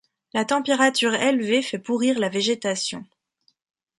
La température élevée fait pourrir la végétation.